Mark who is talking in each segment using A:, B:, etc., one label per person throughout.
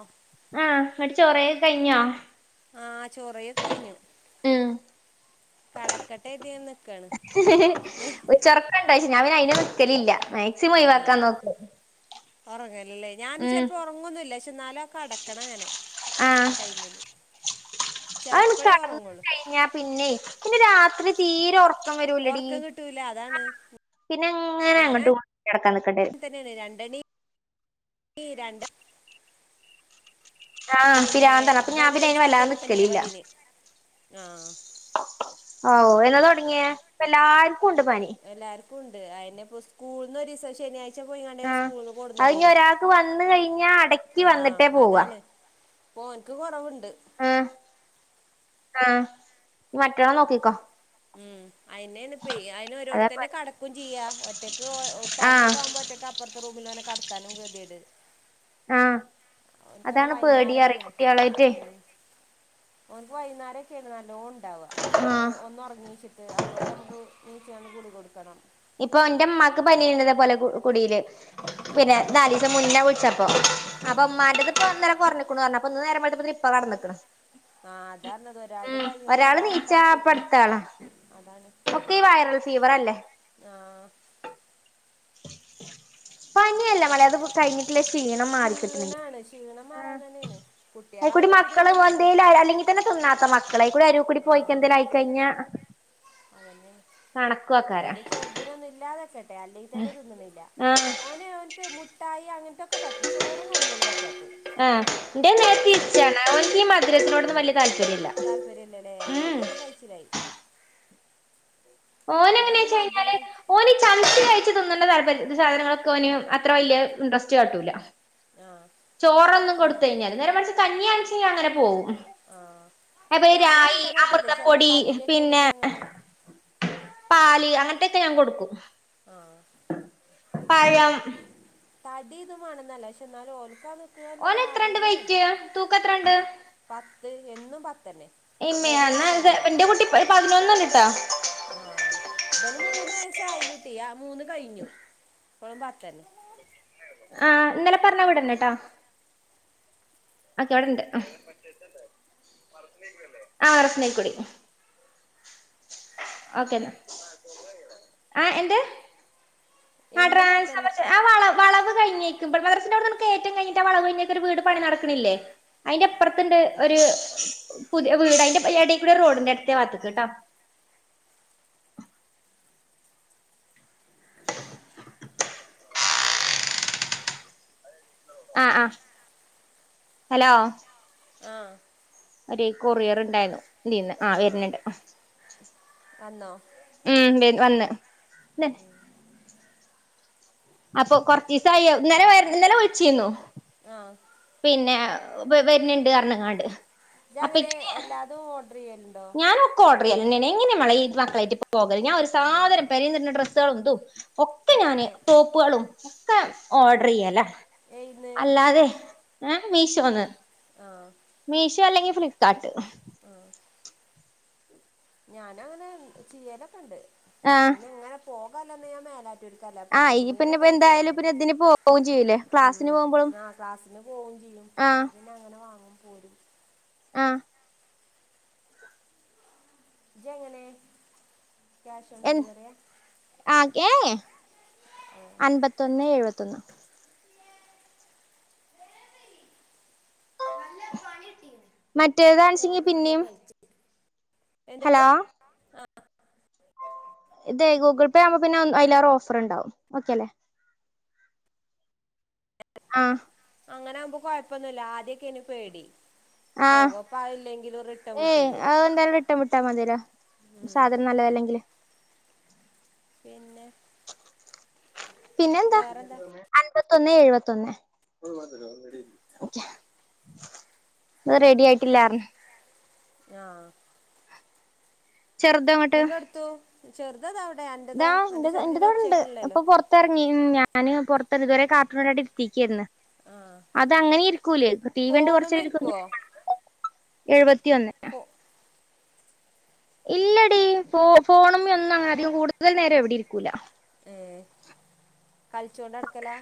A: അഫ്
B: ആഹ് ഇന്നെട്ട് ചൊറെഴി ഒക്കെ കഴിഞ്ഞോ?
A: ആഹ് ചോറെയി ഒക്കെ കഴിഞ്ഞു
B: ഉം
A: കടക്കട്ടെ എഴുതി നിക്കാണ്
B: ഉച്ച ഒർ ണ്ടാ ചോയ്ച്ഞൻ അയിന് നിക്കലില്ല ഒഴിവാക്കാൻ
A: ആഹ്
B: നോക്കും
A: ഒറങ്ങെൽ ഇല്ലെയ് ഞാൻ
B: ഉം
A: ചിലപ്പോ ഉറങ്ങൊന്നും ഇല്ല പക്ഷെ എന്നാലും കടക്കണം അങ്ങനെ ആ ടൈമില്
B: ആ എനിക്ക്
A: ചിലപ്പോഴേ
B: കടന്ന
A: ഉറങ്ങുള്ളൂ
B: കഴിഞ്ഞ പിന്നെ പിന്നെ രാത്രി തീരെ ഉറക്കം വരൂല്ലടി.
A: ഉറക്കം കിട്ടൂല അതാണ്
B: പിന്നെ അങ്ങനെ
A: ഞാനും
B: അങ്ങോട്ട് നടക്കാ നിക്കട്ടെ
A: അങ്ങനെ തന്നെയാണ് രണ്ടണി ഈ രണ്ട്
B: ആഹ്
A: പിന്നെ
B: പിരാന്താണ് അപ്പൊ ഞാൻ പിന്നെ അയിന് വല്ലാതെ നിക്കലില്ല
A: [unintelligible] ആ
B: ഓ എന്നാ തുടങ്ങിയ ഇപ്പ എല്ലാർക്കും ഉണ്ട് പനി.
A: എല്ലാർക്കും ഉണ്ട് അയിന് ഇപ്പോ സ്കൂളന്ന് ഒരു ദിവസം ശനി ഇപ്പ പോയിങ്ങാണ്ട് ഞാൻ
B: ആഹ്
A: സ്കൂളിന്ന്
B: അത് ഇനി
A: കൊടുന്നതേനു
B: ഒരാൾക്ക് വന്ന് കഴിഞ്ഞാ അടക്കി
A: ആ
B: വന്നിട്ടേ പോവാ
A: അതാണ്. ഓർക്ക് കുറവുണ്ട്
B: ആ ആ മറ്റണം നോക്കിക്കോ?
A: ഉം അതിന് അതിനന്
B: അതാ
A: ഒരോടുത്ത തന്നെ
B: പണി
A: കടക്കും ചെയ്യാ ഒറ്റയ്ക്ക് പനിയൊക്കെ
B: ആഹ്
A: ആകുമ്പോ ഒറ്റക്ക് പ്പറത്തെ റൂമിൽ ഓനെ കടത്താനും കെതെയേട്
B: ആഹ്
A: ഓന്ക്ക്
B: അതാണ് പേടിയറി
A: വൈന്നേരക്കെയാണ്,
B: കുട്ടികളായിട്ടേ
A: ഉം ഓന്ക്ക്‌ വൈന്നേരക്കാണ് നല്ലോണം ഇണ്ടാവ ഒരു
B: ആഹ്
A: ഒന്ന്റങ്ങി ച്ച്ട്ട്. ഇപ്പോക്കെ നമുക്ക് [unintelligible] കൂടി കൊടുക്കണം.
B: ഇപ്പൊ എന്റെ ഇമ്മാക്ക് പനിയുണ്ട്. ഇതേ പോലെ കുടിയില്
A: ആഹ്
B: പിന്നെ നാലീ ദിവസം മുന്നെ വിളിച്ചപ്പോ. അപ്പൊ
A: ആഹ്
B: അമ്മാന്റത് അപ്പം അന്നേരം കുറഞ്ഞിരിക്കണ്, ഇപ്പം നേരം വെളുത്തപ്പോ ഇപ്പൊ കിടന്നേക്കണ്.
A: ആ, അതാഞ്ഞത് ഒരാൾക്ക് കഴിയുമ്പോ
B: നീച്ചാ
A: ഒരാൾക്ക്
B: അപ്പ അടുത്താളാ ഒക്കെ ഈ വൈറൽ ഫീവർ ഇണ്ട്.
A: ആ
B: [unintelligible]
A: [unintelligible]
B: തന്നെയല്ല മോളെ അത് കഴിഞ്ഞിട്ടില്ല. ക്ഷീണം മാറിക്കിട്ടണെങ്കിൽ
A: ക്ഷീണാണ് ക്ഷീണം മാറാൻ തന്നെയാണ്
B: അ കുട്ടി
A: കുട്ടികളാവുമ്പോ പിന്നെ
B: മക്കള്
A: എങ്ങനെയാലും
B: എന്തേല് അല്ലെങ്കിൽ തിന്നാത്ത മക്കളാ ഇവിടെ അരു കൂടി പോയിക്കഴിഞ്ഞാ എന്തേങ്കലയിക്കഴിഞ്ഞ
A: അതന്നെ നിന്റെ ചെറുതിനൊന്നും ഇല്ലാതെ അല്ലെങ്കിൽ തിന്നണൊന്നുമില്ല.
B: ആഹ്
A: ഓന് മുട്ടായി അങ്ങനത്തൊക്കെ പറ്റും. ചോറും കഞ്ഞിയോള്ളൂ പറ്റാത്തത്.
B: ആ എന്റെ നേരെ തിരിച്ചാണ്. എനിക്ക് ഈ മദ്രസെയോടൊന്നും വലിയ താല്പര്യം ഇല്ല.
A: താല്പര്യം ഇല്ലല്ലേ അങ്ങനെയൊക്കെ ഇനി കഴിച്ചിലായി.
B: ഓനങ്ങനെ
A: ഇവന്
B: വെച്ച് കഴിഞ്ഞാല്.
A: മധുരം
B: ഓന് ചംച്ച കഴിച്ച് തിന്ന ണ്ട താല്പര്യ ഒന്നുമില്ല. സാധനങ്ങളൊക്കെ ഓന് അത്ര വലിയ ഇൻട്രസ്റ്റ് കാട്ടൂല്ല.
A: ആ
B: ചോറൊന്നും
A: അല്ല
B: കൊടുത്ത കഴിഞ്ഞാല് നേരെ മറിച്ച് കഞ്ഞിയാന്ന് വെച്ച് കഴിഞ്ഞാ
A: ആ
B: അപ്പൊ
A: ഞാനും അങ്ങനെ
B: അരായി
A: തന്നെ ആട്ടല്ലേ ചിലപ്പോൾ
B: അമൃതംപ്പൊടി
A: കഞ്ഞിയൊക്കെ
B: പിന്നെ
A: ആണെങ്കിൽ അങ്ങനെ
B: പാല് അങ്ങനത്തൊക്കെ ഞാൻ കൊടുക്കും.
A: ആ
B: പഴം
A: തടി ഒന്നും വേണന്നല്ല പക്ഷെ എന്നാലും
B: ഓന്
A: നിൽക്കുന്നതിലൊരു
B: എത്രണ്ട്
A: ആരോഗ്യം വേണ്ടേ
B: വെയ്റ്റ് തൂക്കം എത്രണ്ട്?
A: പത്ത് എന്നും പത്തന്നെ മൂന്ന് വയസ്സായില്ലേ?
B: ഒരു പതിനൊന്നല്ലിട്ടാ
A: ആ ഇവന് മൂന്ന് വയസ്സ് ആയി കുട്ടി ഇവിടെ ആ മൂന്ന് കഴിഞ്ഞു. ഇപ്പളും അങ്ങനെത്തന്നെ.
B: ആ ഇന്നലെ പറഞ്ഞാ അവിടന്നട്ടോ [unintelligible] ഓക്കേെന്നാ. ആ ന്ത്‌?
A: എന്നു പത്തൻ
B: കഴിഞ്ഞേക്ക് മദ്രസിൻ്റെ വ്ട്ന്ന് കേറ്റം കഴിഞ്ഞിട്ട് വളവ് കഴിഞ്ഞൊരു വീട് പണി നടക്കണില്ലേ അതിന്റെ അപ്പുറത്തണ്ട് ഒരു പുതിയ വീട് അതിന്റെ എടേൽക്കൂടെ റോഡ്ണ്ട് എടത്തേ ഭാഗത്ത്ക്ക് ട്ടോ ആഹ് ആഹ് ഹലോ
A: ആഹ്
B: ഒര് കൊറിയർ ഇണ്ടായിന്നു ഇതീന്ന് ആഹ് വര്ന്ന്ണ്ട്
A: വന്നോ
B: ഉം വന്ന് അപ്പൊ കൊർച്ചീസായി അഹ് ഇന്നലെ വ ഇന്നലെ വിൾ ച്ചീന്നു
A: ആഹ്
B: പിന്നെ വര്ഞ്ഞ്ണ്ട് അർഞ്ഞ്ങ്ങാണ്ട്
A: ഇജ് അങ്ങനെ എല്ലാതും ഓഡർ ചെയ്യലുണ്ടോ
B: ഞാനൊക്കെ ഓഡർ ചെയ്യലന്നെണ് എങ്ങെനെ മളെ ഈ മക്കളായിട്ട് പോകല് ഞാൻ ഒര്സാധനം പെരീന്ന്ട്ണ ഡ്രസ്സോളും ഇതും ഒക്കെ ഞാന് ടോപ്പുകളും ഒക്കെ ഓഡർ ചെയ്യലാ
A: ഏയ്ന്ന്
B: അല്ലാതെ ഏ മീഷോന്ന്
A: ആഹ്
B: മീഷോ അല്ലെങ്കി ഫ്ലിപ്കാർട്ട്
A: ആഹ് ഞാനങ്ങനെ ചെയ്യലൊക്കെ ണ്ട്
B: ആഹ്
A: പിന്നെ ഇങ്ങനെ പോകാള്ളന്ന് ഞാൻ മേലാ [unintelligible] അല്ലാപത്താ
B: ആഹ് ഇയ്യ്
A: എന്തിനൊ
B: പിന്നെ ഇപ്പ
A: ലൊക്കായിട്ട്
B: എന്തായാലും
A: പോന്നതേ
B: പിന്നെ ഇതിന് പോവും ചെയ്യൂലേ ക്ലാസ്സിന് പോകുമ്പളും
A: ഉം ആ ക്ലാസ്സിന് പോവും ചെയ്യും
B: ആഹ്
A: അപ്പോ പിന്നെ അങ്ങനെ വാങ്ങുംപോരും
B: ആഹ്
A: ഇജ് എങ്ങനെ
B: എ ആ ഏ ഏ
A: നല്ല പണി കിട്ടീന്
B: മറ്റേതാണച്ചെങ്കി
A: തുറന്ന് നല്ല
B: പിന്നിം
A: വലിച്ചു
B: ഹലോ
A: ആഹ്
B: ഇതേ ഗൂഗിൾ പേ ആകുമ്പം പിന്നെ അതിലേറെ ഓഫർണ്ടാവും ഓക്കെ അല്ലേ ആഹ്
A: അങ്ങനൊവുമ്പോ കൊഴപ്പൊന്നുല്ല ആദ്യൊക്കെ ഏനി പേടി
B: ആഹ്
A: പോകും പ്പ ആളില്ലെങ്കിലും റിട്ടൺ
B: ഏയ്
A: വിട്ടരും ഓല്
B: അത് എന്തായാലും റിട്ടേൺ വിട്ടാൽ മതിയല്ലോ സാധനം നല്ലത് അല്ലെങ്കില്
A: പിന്നെ
B: പിന്നെന്താ
A: വേറെന്താ
B: അത് റെഡി ആയിട്ടില്ലാർഞ്ഞ്
A: ആഹ്
B: ചെറുതങ്ങോട്ട്
A: എന്നിട്ട്ടുത്തു ചെറുത് അതാവിടെ അന്റേതോ അന്റെ ചെറുത് ൻ്റെ ഒച്ചേക്ക്ണ്ല്ലല്ലോ
B: പൊറത്തിറങ്ങിണ് ഞാന് പുറത്ത്ന്ന് ഇത് വരെ. കാർട്ടൂണ് കണ്ട് ഇരിത്തിക്കായിന്ന്
A: ആ
B: അത് അങ്ങനെ ഇരിക്കൂലേ ടീവിണ്ട്
A: ഫോണും
B: കൊറച്ച് രിക്കും
A: ഇരിക്കുവോ ഫോ
B: ഇല്ലടി ഫോ ഫോണ് മെ ഒന്നും അങ്ങനെ അധികം കൂടുതൽ നേരം എവിടെ ഇരിക്കൂല
A: ഏ കളിച്ചോണ്ട്ടക്കലാ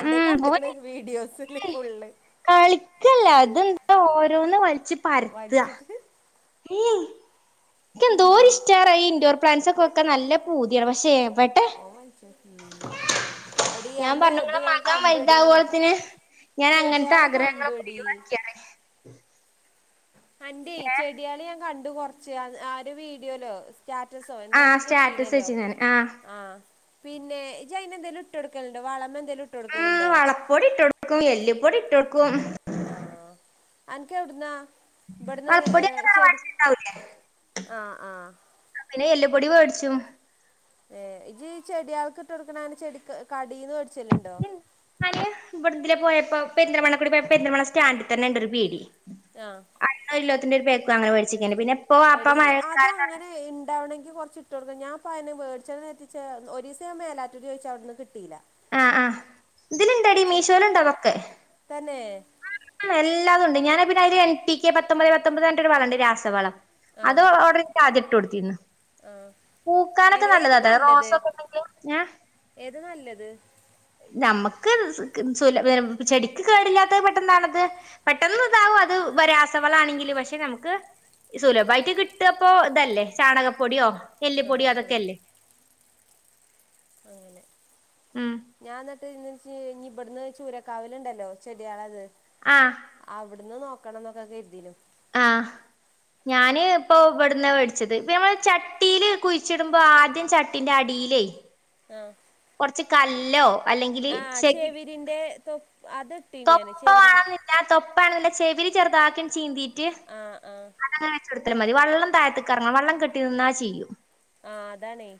A: അന്റെ
B: ഉം
A: കണ്ട്ക്ക്ണ്
B: ഓന്
A: വീഡിയോസ് ല് പൊള്ള്
B: കളിക്കല്ല തെന്താ ഓരോന്ന് വലിച്ച്
A: വലിച്ചിട്ട്
B: മ്ഹ് എനികോന്തോരിഷ്ടാ ഈ ഇൻഡോർ പ്ലാന്റ്സ് ഒക്കെ നല്ല പൂതിയാണ് പക്ഷെ എവി
A: ഓ വച്ചോ എടി
B: ഞാൻ
A: അന്റെ
B: പറഞ്ഞു
A: ഇത്
B: ഇങ്ങളെ
A: ഞാൻ
B: മകൻ
A: കണ്ടടി
B: വലുതാവോളത്തിന് ഞാൻ അങ്ങനത്തെ
A: ചെടിയാള്
B: ആഗ്രഹങ്ങളൊക്കെ
A: കണ്ടുവെടി
B: ഒഴിവാക്കിയാണ്
A: അന്റെ
B: ഏഹ്
A: ചെടിയള് ഞാൻ കണ്ടു കൊറച്ച് ആ ഒര് വീഡിയോലോ സ്റ്റാറ്റസോ
B: ആഹ്
A: എന്തോന്ന്
B: സ്റ്റാറ്റസ്
A: ഇജ്ജ്ട്ടീനല്ലോ
B: വെച്ച് ഞാൻ ആഹ്
A: ആ പിന്നെ ഇജ് അയ്ന് എന്തേലും ഇട്ട് കൊടുക്കലുണ്ടോ വളമ എന്തേലും ഇട്ട് കൊടുക്കലുണ്ടോ
B: പൊടിട്ടൊടുക്കും എല്ല് പൊടിട്ടൊടുക്കും
A: ആഹ് അൻക്ക് എവിട്ന്നാ ഇവിട്ന്ന് ഏ
B: വളപ്പൊടിയൊക്കെ
A: ചെടി
B: തറവാട്ടിലുണ്ടാവൂലേ
A: ആഹ് ആഹ്
B: ആ പിന്നെ എല്ല് പൊടി വേട്ച്ചും
A: ഏ ഇജ് ചെടികൾക്ക് ഇട്ട് കൊടുക്കണ അങ്ങനെ ചെടി കടീന്ന് മേിച്ചല്ലുണ്ടോ
B: അല്ല ഇവിട ഇതിലെ പോയപ്പോ പെരി ന്തൽ മണ കൂടി പോയപ്പോ പേരിദൽമണ സ്റ്റാൻഡിൽ തന്നെ ഉണ്ടരു പീഡി
A: ആഹ്
B: അന്നോല്ലോത്തിന്റെ ഒരു പേക്ക് അങ്ങനെ മേടിച്ചിക്കേനീ പിന്നെ ഇപ്പ വാപ്പ മഴക്കാലം തൊടങ്ങി
A: പിന്നെ ഇണ്ടാവണെങ്കി കൊറച്ച് ഇട്ട് കൊടുക്കണം ഞാൻ ഇപ്പ ആന്നെയാ വേടിച്ചാന്ന് കരുതി ചെ ഒരീസം ഞാൻ മേലാറ്റുരുന്ന് ചോയ്ച്ച അവിടുന്ന് കിട്ട് ട്ടീല്ല
B: ആഹ് ആഹ് ഇതില്ണ്ടടി മീഷോല്ണ്ട് അതൊക്കെ
A: തന്നെ
B: [unintelligible] എല്ലാതും ഇണ്ട് ഞാനത് പിന്നെ അതില് എൻ പി കെ പത്തൊമ്പതെ പത്തൊമ്പതെ പറഞ്ഞിട്ടൊരു വളം ഇണ്ട് രാസവളം അത്
A: ആഹ്
B: ഓർഡർ ആദ്യ ഇട്ട് കൊടുത്തിരുന്ന് പൂക്കാനൊക്കെ
A: എങ്ങനെ ഏതാ
B: നല്ലതാത്
A: നല്ലത്
B: റോസൊക്കെ ഇണ്ടെങ്കി ഏഹ്
A: ഏതാ നല്ലത്
B: ഞമ്മക്ക് സ് ക് സുല [unintelligible] ചെടിക്ക് കേടില്ലാത്ത പെട്ട് പൊട്ടന്നാണത് പെട്ടെന്ന് ഇതാവും അത് വര രാസവള ആണെങ്കില് പക്ഷെ ഞമ്മക്ക് സുലഭയിട്ട് കിട്ടപ്പോ ഇതല്ലേ ചാണകപ്പൊടിയോ
A: ആ
B: എല്ലിപ്പൊടിയോ
A: ആ
B: അതൊക്കെ അല്ലേ
A: അങ്ങനെ
B: ഉം
A: ഞൻ ന്നെ ട്ട് ഞ്ഞ്ച് ഞ്ഞി ഇവിടന്ന് ചൂരക്കാവലുണ്ടല്ലോ ചെടികളത്
B: ആഹ്
A: അവിട്ന്ന് നോക്കണംന്നൊക്കെ കരുതിനു
B: ആഹ് ഞാന് ഇപ്പൊ ഇവിെടുന്ന വെടിച്ചത് പ്പ നമ്മള് ചട്ടിൽ കുഴിച്ചിടുമ്പോ ആദ്യം ചട്ടിന്റെ അടിലേ
A: ആഹ്
B: കൊറച്ച് കല്ലോ അല്ലെങ്കിൽ
A: ആഹ്
B: ചെകി
A: ചെവിരിന്റെ തൊപ്പ് അത് ഇട്ട്
B: തൊപ്പ വാണന്നില്ല തൊപ്പ ആണെന്നില്ല ചെവില് ചെറുതാക്കി ഇങ്ങ് ചീന്തീറ്റ്
A: ആഹ് ആഹ്
B: അതങ്ങനെ വെച്ചൊടുത്താലും മതി വെള്ളം താഴത്തക്ക് എറങ്ങ വള്ളം കെട്ടി നിന്നാ ചീയും
A: ആഹ് അതാണേ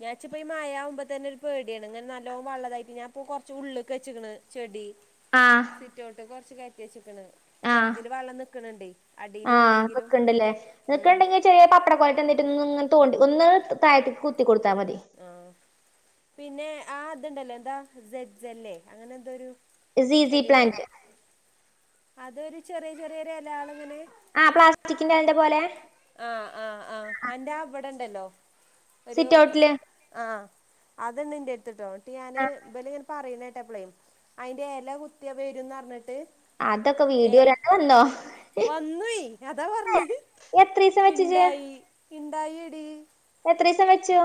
A: ഈ ആയ്ച്ചപ്പോ ഈ മയാ ആവുമ്പോ തന്നെ ഒരു പേടിയാണ് ഇങ്ങനെ നല്ലോ വള്ളതായിട്ട് ഞാനിപ്പോ കൊറച്ച് ഉള്ള്ക്ക് വെച്ച്ക്കണ് ചെടി
B: ആഹ്
A: സിറ്റഔട്ട്ക്ക് കൊറച്ച് കയറ്റി വച്ചിക്ക്ണ്
B: ആഹ്
A: ചെലതില് വെള്ളം നിക്കണ് ഇണ്ടെ അടീല്
B: ആഹ്
A: ഇണ്ടങ്കിലും
B: നിക്ക്ണ്ട്ല്ലേ
A: ഉം
B: നിക്ക്ണ്ടെങ്കി ചെറിയ പപ്പടക്കൊലെ ട്ടെ ന്തിട്ട്ന്ന് ഇന്ന് ന്ന് തോണ്ടി ഒന്ന് താഴത്ത്ക്ക് കുത്തി കൊടുത്താൽ മതി
A: ആഹ് പിന്നെ ആ ഇതുണ്ടല്ലോ എന്താ സെഡ് സെല്ലെ അങ്ങനെ എന്തോരു
B: സീസി
A: ചെടിണ്ടല്ലോ
B: പ്ലാന്റ്
A: അതൊരു ചെറിയ ചെറിയൊരു എലകള് ഇങ്ങനെ
B: ആഹ് പ്ലാസ്റ്റിക്കിന്റ തിന്റെ പോലെ
A: ആഹ് ആഹ് ആഹ് അന്റെ ആഹ് വിടെണ്ടല്ലോ ഒരു
B: സിറ്റൗട്ടില്
A: ആഹ് അത്ണ്ട് ഇൻ്റെട്ത്ത്ട്ടോ ഇട്ട് ഞാന് ഇബലിങ്ങനെ പറീണാ കേട്ടപ്പളെ അയിന്റെ എല കുത്തിയാ വെരുന്ന് പറഞ്ഞിട്ട്
B: അതൊക്കെ
A: യെലെ
B: വീഡിയോയിലന്നെ വന്നോ
A: വന്നൂ അതാ പറഞ്ഞത്
B: എത്രീസം വെച്ചിജ്
A: ഇണ്ടായി ഇണ്ടായി എടീ
B: എത്രീസം വെച്ചു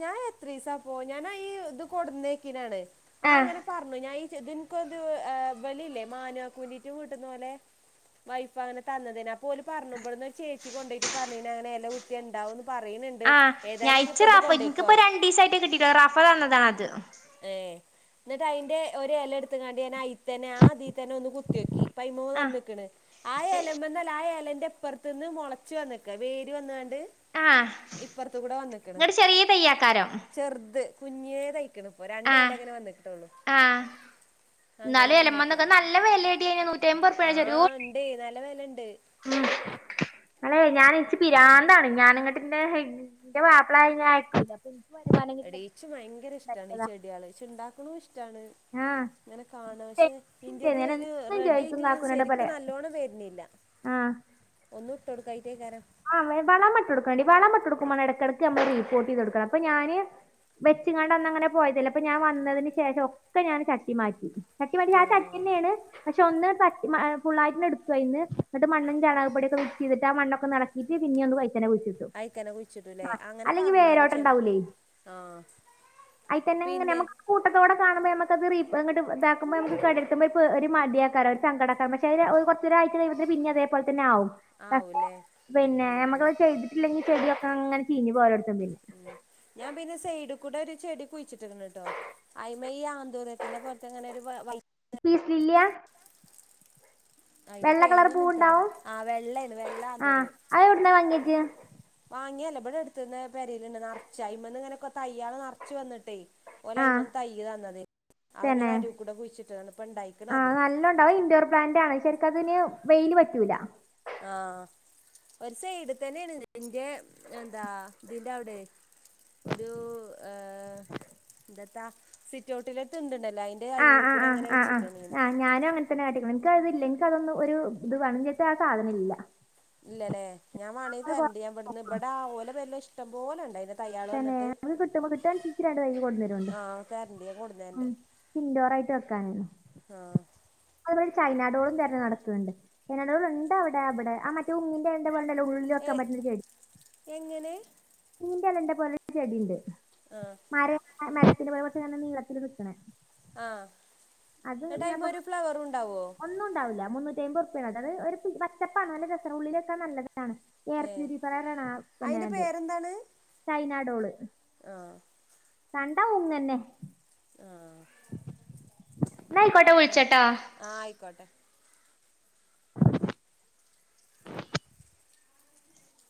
A: ഞാൻ എത്രീസപോ ഞാനാ ഈ ഇത് കൊടന്നേക്കിനാണ് ആഹ് അങ്ങനെ പറഞ്ഞു ഞാൻ ഈ ചെ ഇത്ൻക്ക് ഒരു ഏഹ് ഇവലില്ലേ മാനു ആക്കൂൻ്റെ [unintelligible] വീട്ടുന്നോലെ വൈഫ് അങ്ങനെ തന്നതേനു അപ്പോ ഓല് പറഞ്ഞു ഇബട്ന്ന് ഒര് ചേച്ചി കൊണ്ടോയിറ്റ് പറഞ്ഞിനി അങ്ങനെ എല കുത്തിയാ ഇണ്ടാവൂന്ന് പറയിണ്ണ്ട് ഏതായാലും ഇജ്
B: ക്ക്റഫയ് ൻക്കിപ്പോ രണ്ടീസയിട്ട് കിട്ടിട്ടുള്ളു റഫ തന്നതാണത്
A: ഏഹ് ന്നിട്ട് അയിന്റെ ഒരെലയെടുത്ങ്ങാട് ഞാൻ അയിത്തന്നെ ആഹ് തിത്തന്നെ ഒന്ന് കുത്തിനോക്കി പൈമൂന്ന്
B: ആഹ്
A: വന്നക്ക ആഹ് എലമ്പ ആ ഏലന്റെ അപ്പുറത്ത് നിന്ന് മുളച്ചു വന്നക്ക വേര് വന്നണ്ട് ഇപ്പറത്ത കൂടെ വന്ന്ക്കണ്
B: തയ്യക്കാരം
A: ചെറുത് കുഞ്ഞേ തയ്ക്കണ ഇപ്പോ
B: ആഹ്
A: രണ്ടേല ഇങ്ങനെ വന്നട്ടോള്ളു
B: എന്നാല എലമന്നൊക്കെ നല്ല വിലടി അയിന് നൂറ്റിമ്പത് റുപ ആണ് ചെരൂ
A: ടി നല്ല വെലണ്ട്
B: ഉം അല്ലെ ഞാൻ ഇച്ചി പിരാന്താണ് ഞാനിങ്ങട്ടിന്റെന്റെ മാപ്പള ന്നെ അയക്കൂല അപ്പൊ ഇൻക്ക് വരുമാനം
A: എടീച്ച ഭയങ്കര ഇഷ്ടമാണ് ഈ
B: കിട്ട്ണ
A: ചെടികൾ ച്ച ണ്ടാക്കണ ഇഷ്ടമാണ്
B: ആഹ്
A: അങ്ങനെ കാണ പക്ഷെ ഇന്റത്
B: ഞാനെന്നും
A: റെഡി
B: ചോയ്ക്കും
A: ആയിട്ടന്ന്
B: കാക്കൂനോട്
A: ശരിക്കും
B: പറിയാ
A: നല്ലോണം വെരുന്നില്ല
B: ആഹ്
A: ഒന്നും ഇട്ട് കൊട്കായിട്ടേകാരം
B: ആഹ് വളംട്ട്ടുക്കണ്ട വളം പട്ട് കൊടുക്കുമോ ഇടക്ക് നമ്മളി പ്പോർട്ട് കൊടുക്കണം അപ്പ ഞാന് വെച്ചങ്ങാണ്ടന്ന അങ്ങനെ പോയതല്ല അപ്പൊ ഞാൻ വന്നതിന് ശേഷം ഒക്കെ ഞാൻ ചട്ടി മാറ്റി തട്ടി പരിയാത്ത അടക്ക
A: ആഹ്
B: തന്നെയാണ് പക്ഷെ ഒന്ന് പറ്റ ഫുള്ളായിട്ട് എടുക്കു അതിന്ന് മണ്ണും ചാണകപൊടിയൊക്കെ മിസ് ചെയ്ട്ട് മണ്ണൊക്കെ എള പിറ്റ പിന്ന ഒന്ന് വൈറ്റനെ വിച്ചു
A: അഐക്കനെ കുഴിച്ചിട്ടല്ലേ അങ്ങനെ പറഞ്ഞന്
B: വേരോട്ടം
A: ചെല ആഹ്
B: അയിത്തന്നെ അങ്ങനെ
A: പിന്നെ
B: നമക് കൂട്ടക്കെ കടെ കാണുമ്പോ നമുക്ക ഇതാക്കുമ്പോ ഒരു മടിയാക്കാ സങ്കട പക്ഷ കുറ ഒരുരാഴ്ച പിന്നെ അതെപോലെ തന്നെ ആവും പക്ഷെ
A: ആവുല്ലേ
B: പിന്നെ നമ്മുക്കത് ചെയ്തിട്ടില്ലെങ്കിൽ ചെടിയൊക്കെ അങ്ങനെ ചീഞ്ഞ് പോരോടത്തും പിന്നെ
A: ഉം ഞാൻ പിന്നെ സെയഡ് കൂടെ ഒരു ചെടി കുഴിച്ചിട്ടിന്ന് ട്ടോ അയിമ ഈ ആന്തൂറിയത്തിന്റെ പുറത്തെങ്ങനെ ഒരു
B: പീസില്ല്യ
A: അയിതിന്റെ
B: കളർ
A: പേരൊന്നും നിൽക്കാറില്ല
B: പൂവുണ്ടാവും
A: ആഹ് വെള്ളേണ് വെള്ള
B: ആ
A: ആന്തൂറിയം
B: അത് എവിടുന്ന വാങ്ങിയത്
A: വാങ്ങിയല്ലേ ഇവ്ടടെ അടുത്ത് പരയിലുണ്ട് നിറച്ചും അയ്മെ ഇങ്ങനൊക്കെ തയ്യാള് കുറച്ച് വന്നിട്ടേ
B: ആ
A: ഓലയ്യിമന്ന് തയ്യ തന്നത് അവ അങ്ങനെ
B: തന്നെ
A: അരൂകൂടെ കുഴിച്ചിട്ടാണ് ഇപ്പ ഉണ്ടായിക്കണ
B: ആ
A: അത്
B: നല്ല ഉണ്ടാവും ഇൻോർ പ്ലാന്റ് ആണ് ഷേർക്കതിന് വെയിൽ പറ്റൂല
A: ആഹ് ഒരു സൈട് തന്നെയാണ് നിന്റെ എന്താ ഇതിന്റെ അവിടെ ഒരു എന്താ സിറ്റ് ഔട്ടില് ഒര് ത്ണ്ട്ണ്ടല്ലോ അയി എന്റെ
B: ആ
A: അരൂ
B: ആ ആ
A: കൂടെങ്ങനെ
B: ആ ആ
A: വെച്ചക്കാണ് ഞാന്
B: ആ ഞാനും അങ്ങനത്തന്നെട്ടിക്കണം എനിക്ക അതില്ല എനിക്ക അതൊന്നും ഒരു ഇത്ണ് ആഹ് സാധനം ഇല്ല
A: ഇല്ലല്ലേ ഞാൻ വണങ്കി
B: അത്
A: തരണ്ട്
B: കുറച്ച്
A: ഞാൻ ഇവിടുന്ന്
B: നോക്കണം.
A: ഇവിടെ ഓല പരിലും ഇഷ്ടം പോലെണ്ട്
B: തന്നെ അത് കിട്ടുമ്പോ കിട്ടാണ്ച്ച ഇന്കി രണ്ട് തയ്യ് കൊടുുന്നേരുണ്ടും
A: ആഹ് തരണ്ട് ഞാൻ കൊടുന്നരണ്ട്
B: ഇൻഡോറ ആയിട്ട് വെക്കാനോ
A: ആഹ്
B: അതുപ ചൈനാഡോളും തെരെഞ്ഞ് നടക്കുന്നുണ്ട് ചൈനാഡോൾ ഇണ്ടോ അവിടെ അവിടെ ആ മറ്റേ ങ്ങിന്റെ [unintelligible] ഉള്ളി
A: ഏ
B: വെക്കാൻ പറ്റ്ണ [unintelligible]
A: എങ്ങനെ
B: നീന്റെ അലന്റെ പോലെ ചെടിണ്ട്
A: ആഹ്
B: ആരെ മരത്തിൽ പോ പക്ഷെങ്ങന്നെ നീളത്തിൽ നിൽക്കണേ
A: ആഹ്
B: അത്
A: എന്നിട്ട് അയിമെ
B: പ്പ
A: ഒരു ഫ്ലവറും ഉണ്ടാവോ
B: ഒന്നുംണ്ടാവില്ല മുന്നൂറ്റി അയിമ്പർ അത് ഒരു പച്ചപ്പാണോല്ലെ രസാണ് ഉള്ളിലൊക്കെ നല്ലതാണ്
A: ഏഹ്
B: എയർപ്യൂരിഫൈഡ് ആണ് പിന്നെ
A: അയിൻ്റെ പേരെന്താണ്
B: സൈനാഡോള്
A: ആഹ്
B: കണ്ടാ ഒന്ന് തന്നെ
A: ആഹ്
B: ന്നായിക്കോട്ടെ
A: അത്
B: വിളിച്ചട്ടാ
A: ആഹ് ആയിക്കോട്ടെ